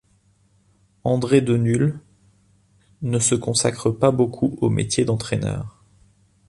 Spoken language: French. André De Nul ne se consacre pas beaucoup au métier d'entraîneur.